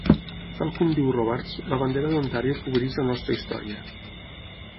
Tal com diu Robarts, la bandera d'Ontario cobreix la nostra història.